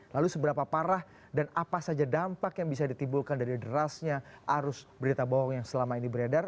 lalu seberapa parah dan apa saja dampak yang bisa ditimbulkan dari derasnya arus berita bohong yang selama ini beredar